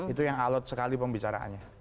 itu yang alot sekali pembicaraannya